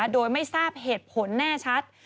โดยไม่ทราบเหตุผลแน่ชัด